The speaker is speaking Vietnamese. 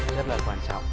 rất là quan trọng